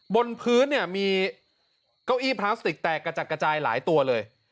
บนพื้นเนี่ยมีเก้าอี้พลาสติกแตกกระจัดกระจายหลายตัวเลย